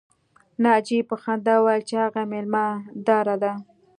ناجیې په خندا وویل چې هغه مېلمه داره ده